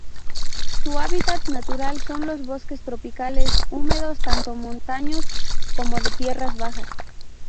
Su hábitat natural son los bosques tropicales húmedos tanto montanos como de tierras bajas.